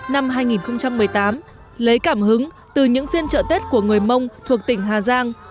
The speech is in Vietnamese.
năm hai nghìn một mươi tám lấy cảm hứng từ những phiên trợ tết của người mông thuộc tỉnh hà giang